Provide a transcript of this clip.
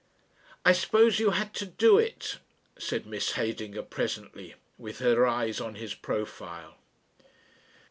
"I suppose you had to do it," said Miss Heydinger presently, with her eyes on his profile.